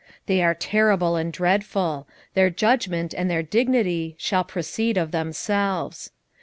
1:7 They are terrible and dreadful: their judgment and their dignity shall proceed of themselves.